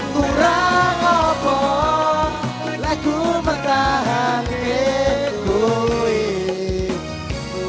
kurang obo laiku menahan kekulik